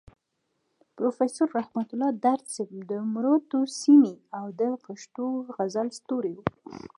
پروفيسور رحمت الله درد صيب د مروتو سيمې او د پښتو غزل ستوری وو.